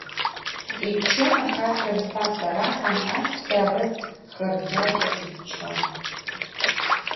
Иччон ахацәа рсаса раҳан, аҳәса рыц хырџьаџьа иччон.